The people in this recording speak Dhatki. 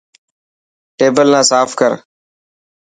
ٽيبل نا ساف ڪر.